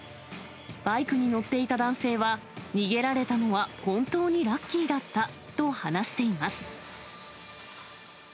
バイクに乗っていた男性は、逃げられたのは本当にラッキーだったと話しています。